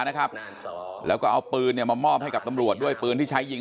นะครับแล้วก็เอาปืนเนี่ยมามอบให้กับตำรวจด้วยปืนที่ใช้ยิง